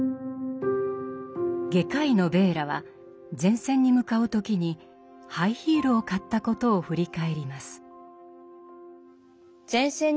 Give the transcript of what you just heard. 外科医のヴェーラは前線に向かう時にハイヒールを買ったことを振り返ります。